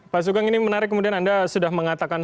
pak sugeng ini menarik kemudian anda sudah mengatakan